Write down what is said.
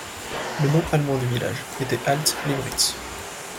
Le nom allemand du village était Alt Limmritz.